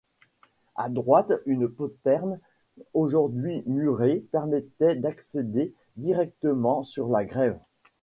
À droite une poterne aujourd'hui murée permettait d'accéder directement sur la grève.